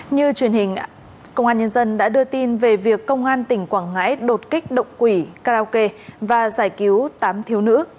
như truyền hình công an nhân dân đã đưa tin về việc công an tỉnh quảng ngãi đột kích động quỷ karaoke và giải cứu tám thiếu nữ